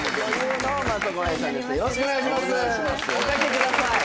お掛けください。